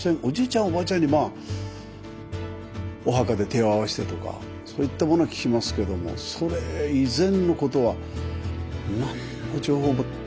おじいちゃんおばあちゃんにまあお墓で手を合わしてとかそういったものは聞きますけどもそれ以前のことは何の情報も。